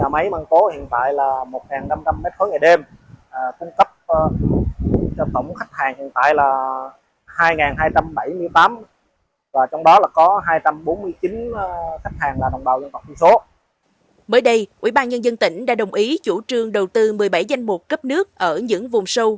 mới đây ubnd tỉnh đã đồng ý chủ trương đầu tư một mươi bảy danh mục cấp nước ở những vùng sâu